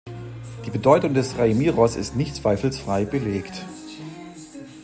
Die Bedeutung des Rei-Miros ist nicht zweifelsfrei belegt.